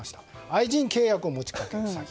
愛人契約を持ち掛ける詐欺。